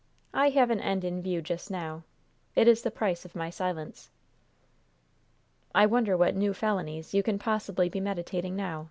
I have an end in view just now. It is the price of my silence." "I wonder what new felonies you can possibly be meditating now?"